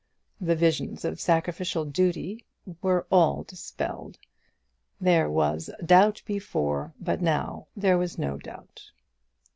The visions of sacrificial duty were all dispelled. There was doubt before, but now there was no doubt.